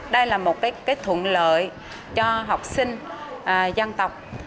đây là một thuận lợi cho học sinh dân tộc